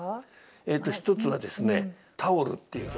えっと一つはですね「タオル」っていう曲。